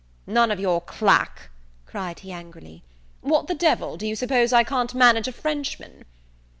"None of your clack!" cried he angrily; "what the D l, do you suppose I can't manage a Frenchman?"